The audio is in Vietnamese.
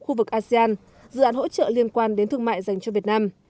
khu vực asean dự án hỗ trợ liên quan đến thương mại dành cho việt nam